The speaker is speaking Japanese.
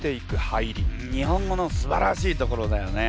日本語のすばらしいところだよね。